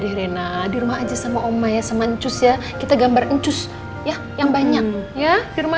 deh rena di rumah aja sama omaya sama ncus ya kita gambar ncus ya yang banyak ya di rumah